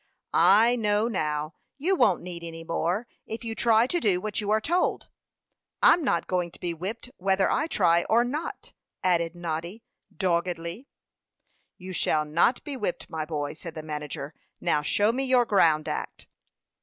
"I know now. You won't need any more, if you try to do what you are told." "I'm not going to be whipped, whether I try or not," added Noddy, doggedly. "You shall not be whipped, my boy," said the manager. "Now show me your ground act."